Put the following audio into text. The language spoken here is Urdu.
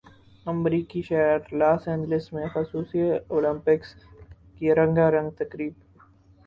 امریکی شہر لاس اینجلس میں خصوصی اولمپکس کی رنگا رنگ تقریب